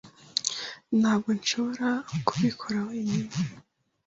Ntabwo nshobora kubikora wenyine.